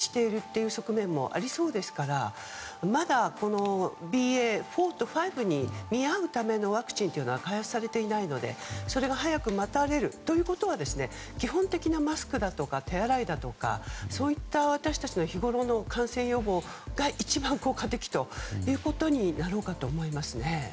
そして、今回ものすごい勢いで増えているんですがやっぱり免疫を回避しているという側面もありそうですからまだ、ＢＡ．４と５に見合うためのワクチンは開発されていないのでそれが待たれるということは基本的なマスクだとか手洗いだとか私たちの日ごろの感染予防が一番効果的ということになろうかと思います。